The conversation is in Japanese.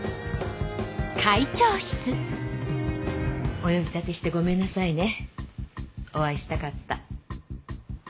お呼び立てしてごめんなさいねお会いしたかった。